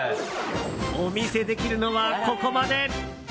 お見せできるのは、ここまで！